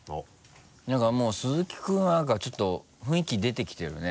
なんかもう鈴木君なんかちょっと雰囲気出てきてるね。